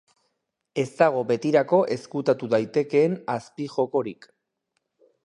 Ez dago betirako ezkutatu daitekeen azpijokorik.